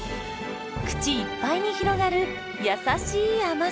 口いっぱいに広がる優しい甘さ。